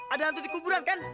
ada hantu di kuburan kan